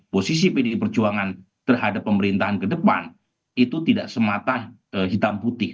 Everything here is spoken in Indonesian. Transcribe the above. posisi pdi perjuangan terhadap pemerintahan ke depan itu tidak semata hitam putih